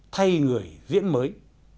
thay người diễn mới